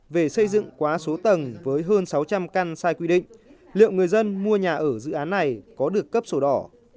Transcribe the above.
về xây dựng quá số tầng với hơn sáu trăm linh căn sai quy định liệu người dân mua nhà ở dự án này có được cấp sổ đỏ